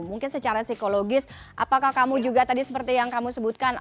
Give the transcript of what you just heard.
mungkin secara psikologis apakah kamu juga tadi seperti yang kamu sebutkan